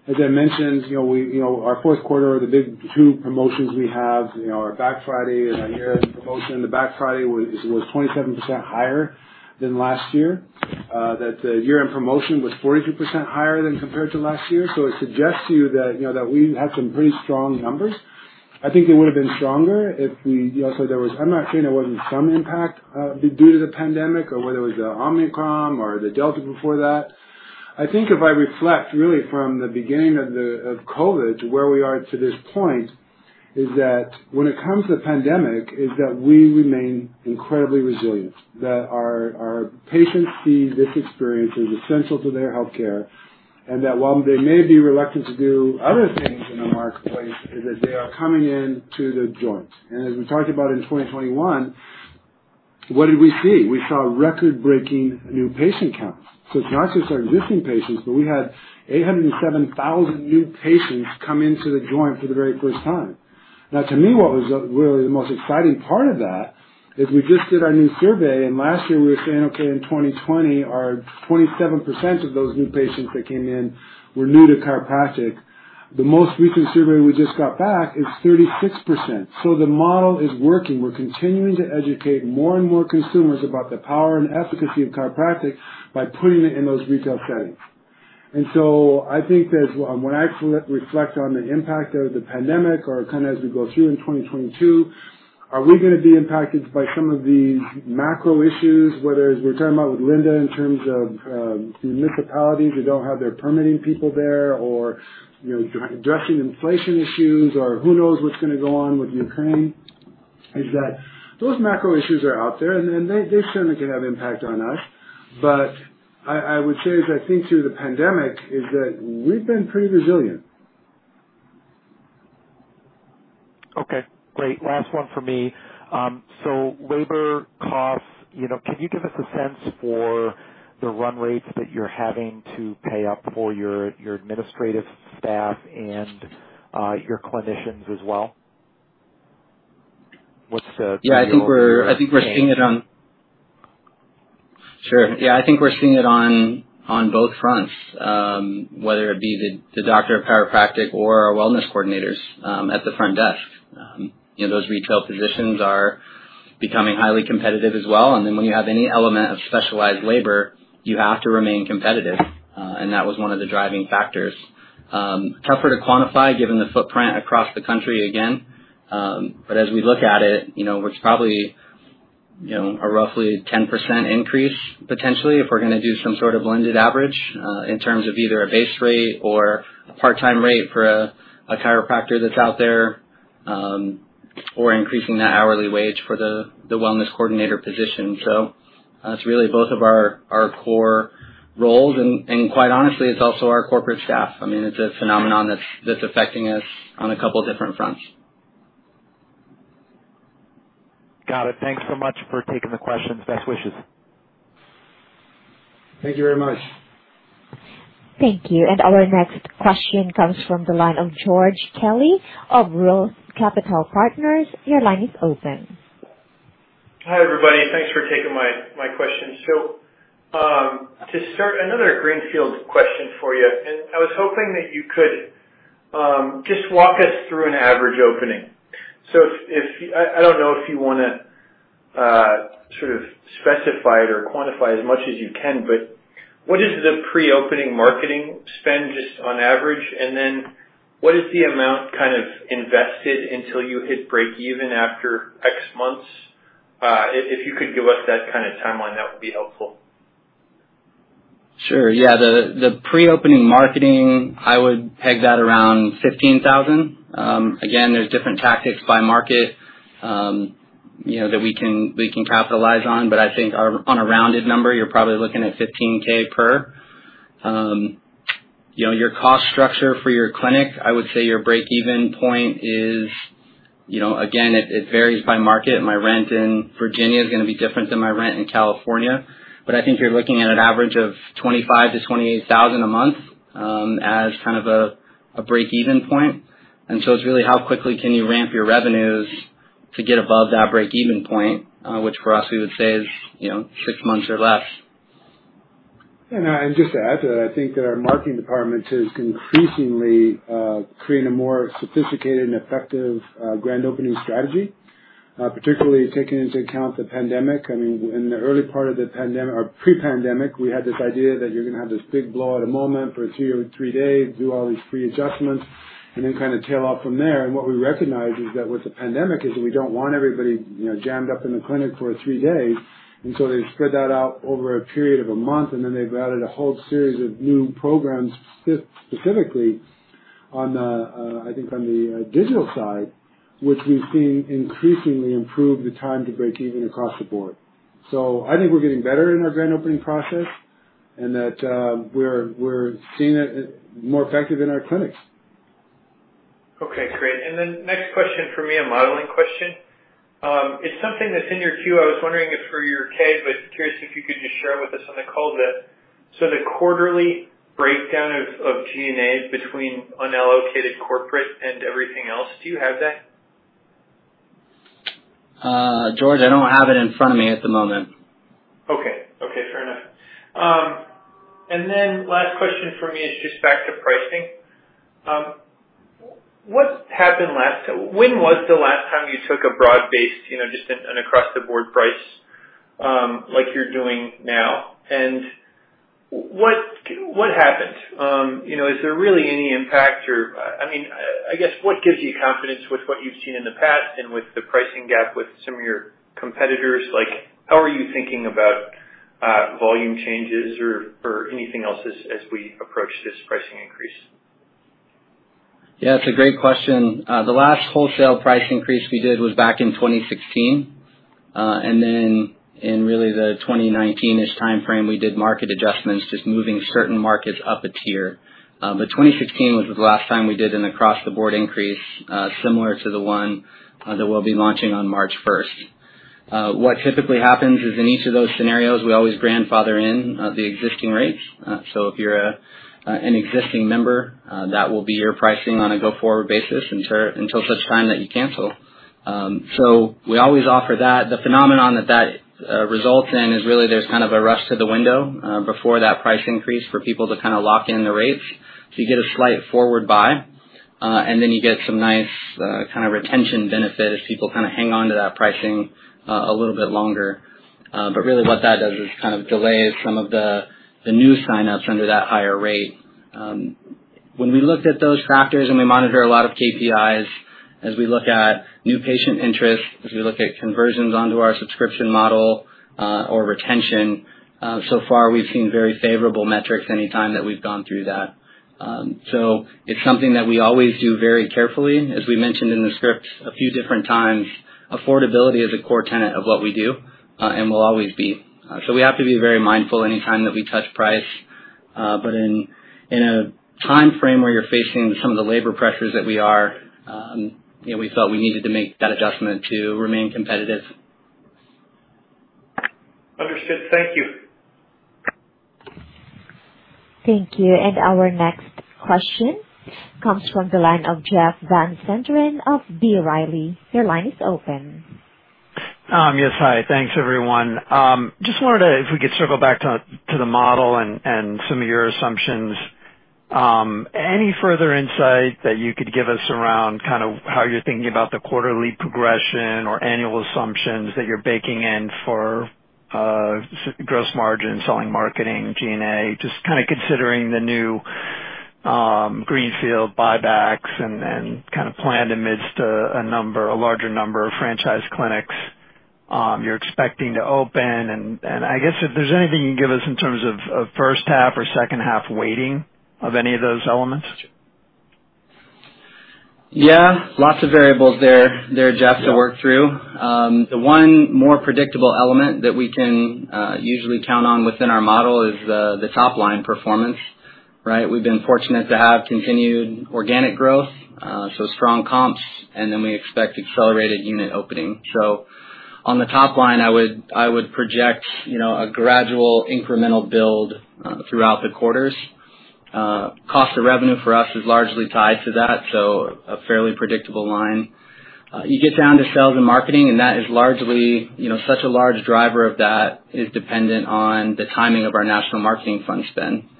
As I mentioned, you know, our fourth quarter, the big two promotions we have, you know, our Black Friday and our Year-End promotion. The Black Friday was 27% higher than last year. That the Year-End promotion was 42% higher than compared to last year. It suggests to you that, you know, that we had some pretty strong numbers. I think they would have been stronger. You know, I'm not saying there wasn't some impact due to the pandemic or whether it was the Omicron or the Delta before that. I think if I reflect really from the beginning of COVID to where we are to this point, is that when it comes to the pandemic, is that we remain incredibly resilient. That our patients see this experience as essential to their healthcare, and that while they may be reluctant to do other things in the marketplace, is that they are coming in to the Joints. As we talked about in 2021. What did we see? We saw record-breaking new patient count. So it's not just our existing patients, but we had 807,000 new patients come into The Joint for the very first time. Now, to me, what was really the most exciting part of that is we just did our new survey, and last year we were saying, okay, in 2020, our 27% of those new patients that came in were new to chiropractic. The most recent survey we just got back is 36%. The model is working. We're continuing to educate more and more consumers about the power and efficacy of chiropractic by putting it in those retail settings. I think as, when I reflect on the impact of the pandemic or kinda as we go through in 2022, are we gonna be impacted by some of these macro issues, whether as we're talking about with Linda in terms of, the municipalities that don't have their permitting people there or, you know, directly addressing inflation issues or who knows what's gonna go on with Ukraine, that those macro issues are out there and they certainly can have impact on us. I would say as I think through the pandemic, that we've been pretty resilient. Okay, great. Last one for me. Labor costs. You know, can you give us a sense for the run rates that you're having to pay up for your administrative staff and your clinicians as well? What's the Yeah, I think we're seeing it on both fronts, whether it be the doctor of chiropractic or our wellness coordinators at the front desk. You know, those retail positions are becoming highly competitive as well. When you have any element of specialized labor, you have to remain competitive, and that was one of the driving factors. Tougher to quantify given the footprint across the country again. As we look at it, you know, it's probably you know a roughly 10% increase potentially if we're gonna do some sort of blended average in terms of either a base rate or a part-time rate for a chiropractor that's out there or increasing the hourly wage for the wellness coordinator position. It's really both of our core roles and quite honestly, it's also our corporate staff. I mean, it's a phenomenon that's affecting us on a couple different fronts. Got it. Thanks so much for taking the questions. Best wishes. Thank you very much. Thank you. Our next question comes from the line of George Kelly of Roth Capital Partners. Your line is open. Hi, everybody. Thanks for taking my questions. To start another greenfield question for you, I was hoping that you could just walk us through an average opening. I don't know if you wanna sort of specify it or quantify as much as you can, but what is the pre-opening marketing spend just on average? Then what is the amount kind of invested until you hit breakeven after X months? If you could give us that kinda timeline, that would be helpful. Sure. Yeah. The pre-opening marketing, I would peg that around $15,000. Again, there's different tactics by market, you know, that we can capitalize on. I think on a rounded number, you're probably looking at $15K per. You know, your cost structure for your clinic, I would say your breakeven point is, you know, again, it varies by market. My rent in Virginia is gonna be different than my rent in California. I think you're looking at an average of $25,000-$28,000 a month, as kind of a breakeven point. It's really how quickly can you ramp your revenues to get above that breakeven point, which for us we would say is, you know, six months or less. Just to add to that, I think that our marketing department has increasingly created a more sophisticated and effective grand opening strategy, particularly taking into account the pandemic. I mean, in the early part of the pre-pandemic, we had this idea that you're gonna have this big blowout for two or three days, do all these free adjustments, and then kinda tail off from there. What we recognized is that with the pandemic we don't want everybody, you know, jammed up in the clinic for three days. So they spread that out over a period of a month, and then they've added a whole series of new programs specifically on the digital side, which we've seen increasingly improve the time to breakeven across the board. I think we're getting better in our grand opening process and that we're seeing it more effective in our clinics. Okay, great. Next question for me, a modeling question. It's something that's in your Q. I was wondering if for your K, but curious if you could just share with us on the call the quarterly breakdown of G&A between unallocated corporate and everything else. Do you have that? George, I don't have it in front of me at the moment. Okay. Okay, fair enough. Last question for me is just back to pricing. When was the last time you took a broad-based, you know, just an across the board price, like you're doing now? What happened? You know, is there really any impact or I mean, I guess what gives you confidence with what you've seen in the past and with the pricing gap with some of your competitors? Like, how are you thinking about volume changes or anything else as we approach this pricing increase? Yeah, it's a great question. The last wholesale price increase we did was back in 2016. In really the 2019-ish timeframe, we did market adjustments, just moving certain markets up a tier. 2016 was the last time we did an across the board increase, similar to the one that we'll be launching on March 1. What typically happens is in each of those scenarios, we always grandfather in the existing rates. If you're an existing member, that will be your pricing on a go-forward basis until such time that you cancel. We always offer that. The phenomenon that results in is really there's kind of a rush to the window before that price increase for people to kinda lock in the rates. You get a slight forward buy, and then you get some nice kind of retention benefit as people kind of hang on to that pricing a little bit longer. But really what that does is kind of delays some of the new signups under that higher rate. When we looked at those factors, and we monitor a lot of KPIs as we look at new patient interest, as we look at conversions onto our subscription model, or retention, so far we've seen very favorable metrics anytime that we've gone through that. It's something that we always do very carefully. As we mentioned in the script a few different times, affordability is a core tenet of what we do, and will always be. We have to be very mindful any time that we touch price. In a timeframe where you're facing some of the labor pressures that we are, you know, we felt we needed to make that adjustment to remain competitive. Understood. Thank you. Our next question comes from the line of Jeff Van Sinderen of B. Riley. Your line is open. Yes, hi. Thanks, everyone. Just wanted to if we could circle back to the model and some of your assumptions. Any further insight that you could give us around kinda how you're thinking about the quarterly progression or annual assumptions that you're baking in for gross margin, selling marketing, G&A, just kinda considering the new greenfield buybacks and kind of planned amidst a larger number of franchise clinics you're expecting to open. I guess if there's anything you can give us in terms of first half or second half weighting of any of those elements. Yeah. Lots of variables there, Jeff, to work through. The one more predictable element that we can usually count on within our model is the top line performance, right? We've been fortunate to have continued organic growth, so strong comps, and then we expect accelerated unit opening. On the top line, I would project, you know, a gradual incremental build throughout the quarters. Cost of revenue for us is largely tied to that, so a fairly predictable line. You get down to sales and marketing, and that is largely, you know, such a large driver of that is dependent on the timing of our national marketing fund spend.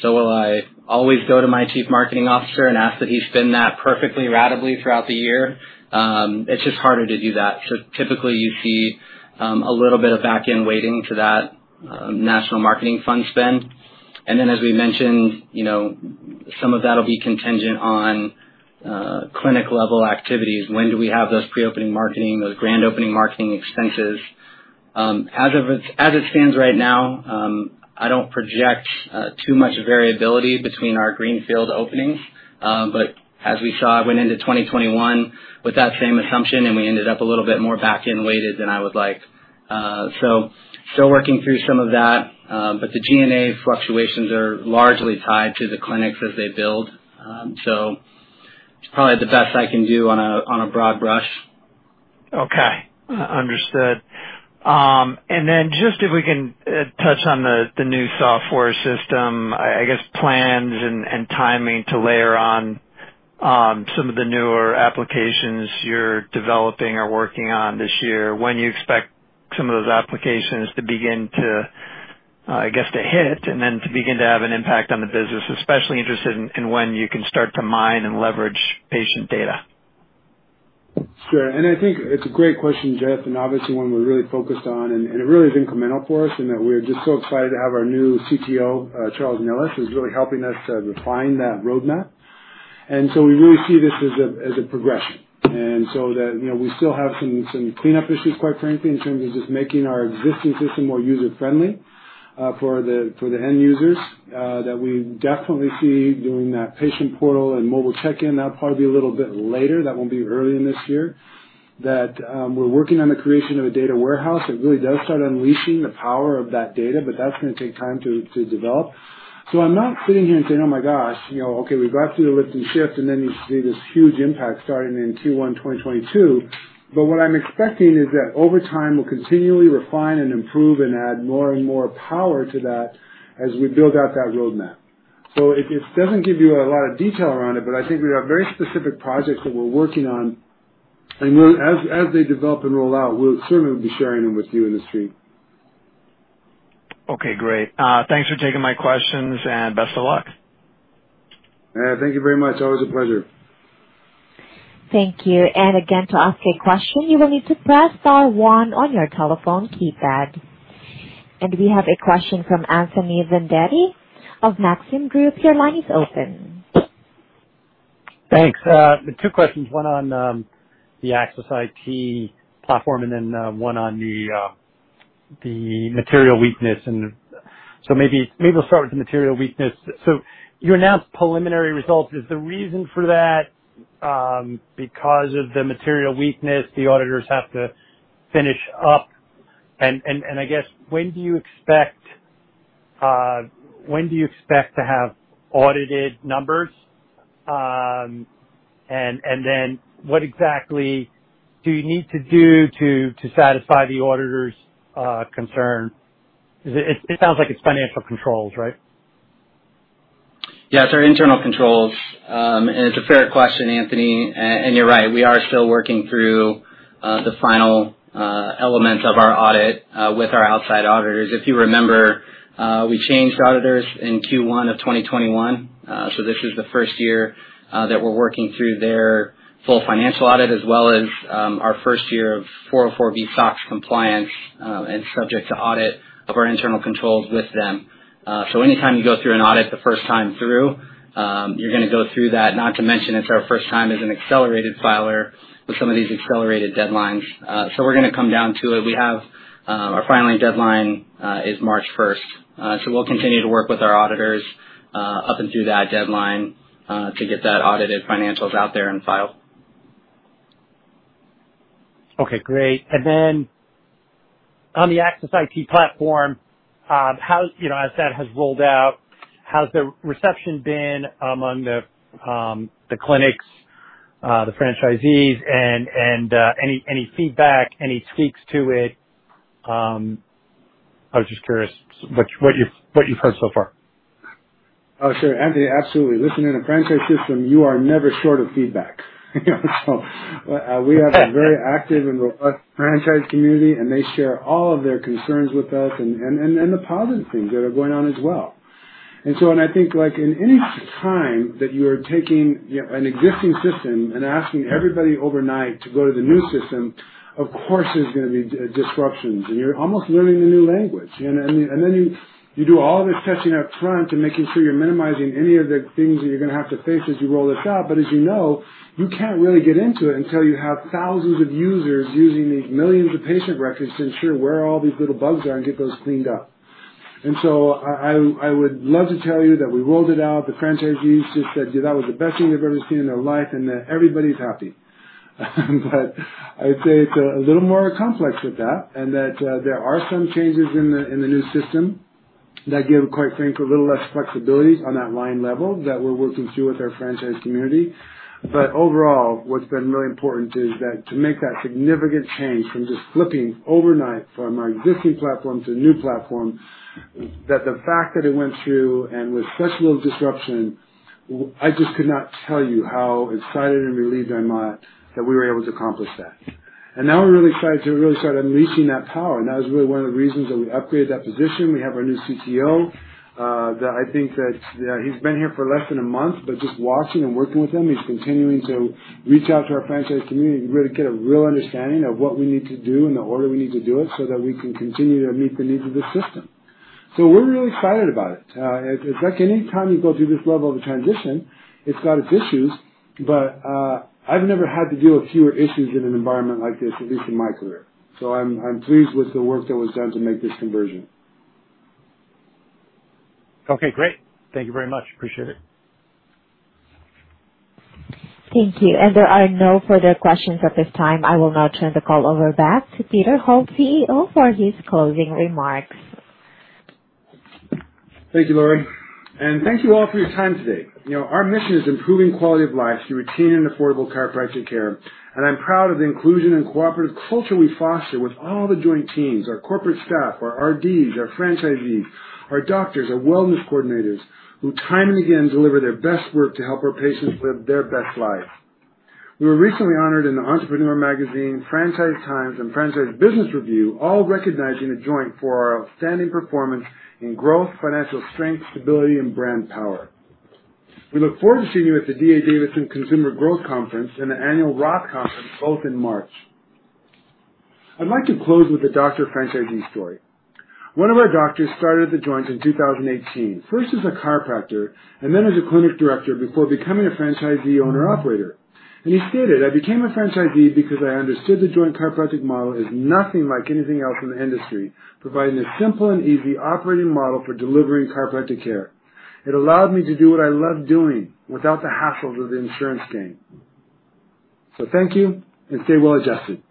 While I always go to my Chief Marketing Officer and ask that he spend that perfectly ratably throughout the year, it's just harder to do that. Typically you see a little bit of back-end weighting to that national marketing fund spend. Then as we mentioned, you know, some of that'll be contingent on clinic-level activities. When do we have those pre-opening marketing, those grand opening marketing expenses? As it stands right now, I don't project too much variability between our greenfield openings. As we saw, I went into 2021 with that same assumption, and we ended up a little bit more back-end weighted than I would like. Still working through some of that. The G&A fluctuations are largely tied to the clinics as they build. It's probably the best I can do on a broad brush. Okay. Understood. Then just if we can touch on the new software system. I guess plans and timing to layer on some of the newer applications you're developing or working on this year, when you expect some of those applications to begin to, I guess, to hit and then to begin to have an impact on the business, especially interested in when you can start to mine and leverage patient data. Sure. I think it's a great question, Jeff, and obviously one we're really focused on and it really is incremental for us in that we're just so excited to have our new CTO, Charles Nelles, who's really helping us refine that roadmap. We really see this as a progression. That, you know, we still have some cleanup issues, quite frankly, in terms of just making our existing system more user-friendly for the end users. We definitely see doing that patient portal and mobile check-in, that'll probably be a little bit later. We're working on the creation of a data warehouse that really does start unleashing the power of that data, but that's gonna take time to develop. I'm not sitting here and saying, "Oh my gosh, you know, okay, we got through the lift and shift, and then you see this huge impact starting in Q1 2022." What I'm expecting is that over time, we'll continually refine and improve and add more and more power to that as we build out that roadmap. It doesn't give you a lot of detail around it, but I think we have very specific projects that we're working on. We'll, as they develop and roll out, we'll certainly be sharing them with you in the stream. Okay, great. Thanks for taking my questions and best of luck. Yeah, thank you very much. Always a pleasure. Thank you. Again, to ask a question, you will need to press star one on your telephone keypad. We have a question from Anthony Vendetti of Maxim Group. Your line is open. Thanks. Two questions, one on the AXIS IT platform and then one on the material weakness. Maybe we'll start with the material weakness. You announced preliminary results. Is the reason for that because of the material weakness the auditors have to finish up? And I guess when do you expect to have audited numbers? And then what exactly do you need to do to satisfy the auditor's concern? Is it? It sounds like it's financial controls, right? Yes, our internal controls. It's a fair question, Anthony. And you're right, we are still working through the final elements of our audit with our outside auditors. If you remember, we changed auditors in Q1 of 2021. This is the first year that we're working through their full financial audit as well as our first year of 404(b) SOX compliance and subject to audit of our internal controls with them. Anytime you go through an audit the first time through, you're gonna go through that. Not to mention it's our first time as an accelerated filer with some of these accelerated deadlines. We're gonna come down to it. We have our filing deadline is March first. We'll continue to work with our auditors to get that audited financials out there and filed. Okay, great. Then on the AXIS IT platform, you know, as that has rolled out, how's the reception been among the clinics, the franchisees and any feedback, any tweaks to it? I was just curious what you've heard so far. Oh, sure. Anthony, absolutely. Listen, in a franchise system, you are never short of feedback. You know, so, we have a very active and robust franchise community, and they share all of their concerns with us and the positive things that are going on as well. When I think, like, in any time that you are taking, you know, an existing system and asking everybody overnight to go to the new system, of course there's gonna be disruptions. You're almost learning a new language. Then you do all this testing up front and making sure you're minimizing any of the things that you're gonna have to face as you roll this out. As you know, you can't really get into it until you have thousands of users using these millions of patient records to ensure where all these little bugs are and get those cleaned up. I would love to tell you that we rolled it out, the franchisees just said that was the best thing they've ever seen in their life, and that everybody's happy. I'd say it's a little more complex with that and that there are some changes in the new system that give, quite frankly, a little less flexibility on that line level that we're working through with our franchise community. Overall, what's been really important is that to make that significant change from just flipping overnight from our existing platform to a new platform, that the fact that it went through and with such little disruption, I just could not tell you how excited and relieved I am that we were able to accomplish that. Now we're really excited to really start unleashing that power. That was really one of the reasons that we upgraded that position. We have our new CTO that I think that he's been here for less than a month, but just watching and working with him, he's continuing to reach out to our franchise community to really get a real understanding of what we need to do and the order we need to do it so that we can continue to meet the needs of the system. We're really excited about it. It's like any time you go through this level of transition, it's got its issues, but I've never had to deal with fewer issues in an environment like this, at least in my career. I'm pleased with the work that was done to make this conversion. Okay, great. Thank you very much. Appreciate it. Thank you. There are no further questions at this time. I will now turn the call over back to Peter Holt, CEO, for his closing remarks. Thank you, Lori, and thank you all for your time today. You know, our mission is improving quality of life through routine and affordable chiropractic care, and I'm proud of the inclusion and cooperative culture we foster with all The Joint teams, our corporate staff, our RDs, our franchisees, our doctors, our wellness coordinators, who time and again deliver their best work to help our patients live their best lives. We were recently honored in the Entrepreneur magazine, Franchise Times, and Franchise Business Review, all recognizing The Joint for our outstanding performance in growth, financial strength, stability, and brand power. We look forward to seeing you at the D.A. Davidson Consumer Growth Conference and the annual Roth Conference, both in March. I'd like to close with a doctor franchisee story. One of our doctors started The Joint in 2018, first as a chiropractor and then as a clinic director before becoming a franchisee owner-operator. He stated, "I became a franchisee because I understood The Joint Chiropractic model is nothing like anything else in the industry, providing a simple and easy operating model for delivering chiropractic care. It allowed me to do what I love doing without the hassle of the insurance game." Thank you, and stay well adjusted.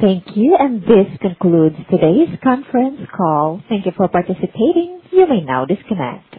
Thank you. This concludes today's conference call. Thank you for participating. You may now disconnect.